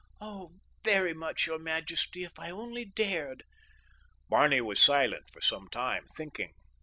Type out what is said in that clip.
"Oh, very much, your majesty, if I only dared." Barney was silent for some time, thinking.